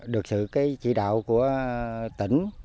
được sự chỉ đạo của tỉnh